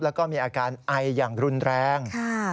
แล้วก็มีอาการไออย่างรุนแรง